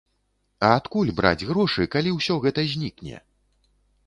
А адкуль браць грошы, калі ўсё гэта знікне?